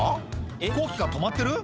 飛行機が止まってる？